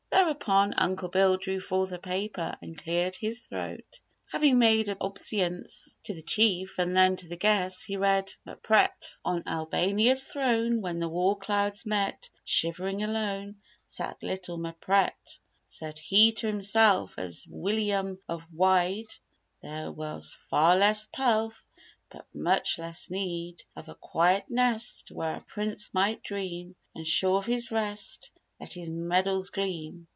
Thereupon, Uncle Bill drew forth a paper and cleared his throat. Having made obeisance to the Chief and then to the guests, he read: Mpret. On Albania's throne When the war clouds met Shivering alone Sat little Mpret. Said he to himself "As Wilyum of Wied There was far less pelf But much less need Of a quiet nest Where a prince might dream And sure of his rest Let his medals gleam.